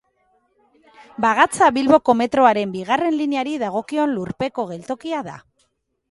Bagatza Bilboko metroaren bigarren lineari dagokion lurpeko geltokia da.